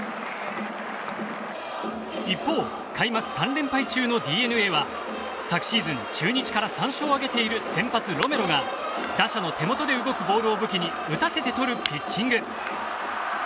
一方、開幕３連敗中のＤｅＮＡは昨シーズン、中日から３勝を挙げている先発ロメロが打者の手元で動くボールを武器に打たせてとるピッチング。